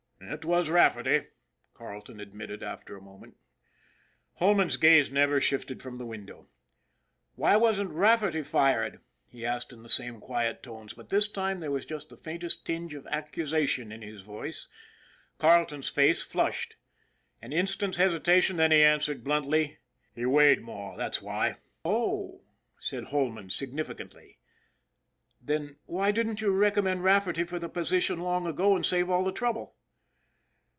" It was Rafferty," Carleton admitted after a mo ment. Holman's gaze never shifted from the window. "Why wasn't Rafferty fired?" he asked in the same quiet tones, but this time there was just the faintest tinge of accusation in his voice. Carleton's face flushed. An instant's hesitation, then he answered bluntly :" He weighed more, that's why !"" Oh !" said Holman significantly. " Then why didn't you recommend Rafferty for the position long ago and save all the trouble